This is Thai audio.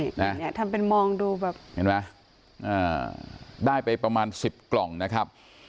ใช่ทำเป็นมองดูแบบได้ไปประมาณ๑๐กล่องนะครับ